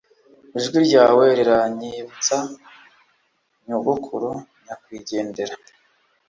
Ijwi ryawe riranyibutsa nyogokuru nyakwigendera.